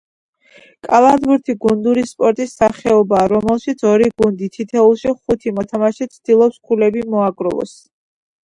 კალათბურთი — გუნდური სპორტის სახეობა, რომელშიც ორი გუნდი, თითოეულში ხუთი მოთამაშით ცდილობს ქულები მოაგროვოს